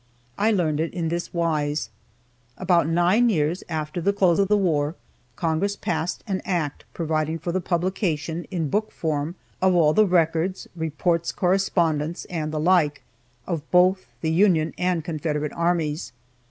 I learned it in this wise: About nine years after the close of the war, Congress passed an act providing for the publication, in book form, of all the records, reports correspondence, and the like, of both the Union and Confederate armies.